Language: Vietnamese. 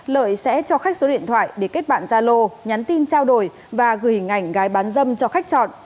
lợi sẽ cho khách số điện thoại để kết bạn gia lô nhắn tin trao đổi và gửi hình ảnh gái bán dâm cho khách chọn